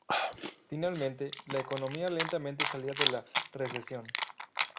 Finalmente, la economía lentamente salía de la recesión.